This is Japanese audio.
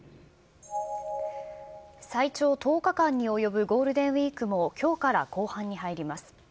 最長１０日間に及ぶゴールデンウィークもきょうから後半に入ります。